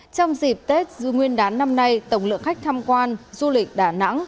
trong dịp tết nguyên đán năm nay tổng lượng khách tham quan du lịch đà nẵng